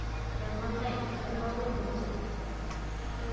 Яҙғанда иғтибарлы булығыҙ